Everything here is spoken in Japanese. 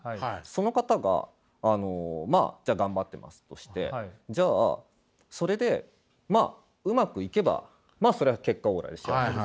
その方があのまあじゃあ頑張ってますとしてじゃあそれでまあうまくいけばまあそれは結果オーライで幸せです。